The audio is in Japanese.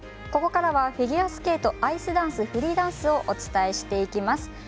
ここからはフィギュアスケートアイスダンス、フリーダンスをお伝えしていきます。